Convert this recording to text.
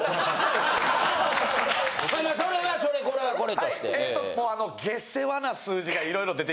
それはそれこれはこれとして。